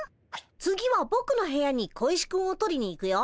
次はぼくの部屋に小石くんを取りに行くよ。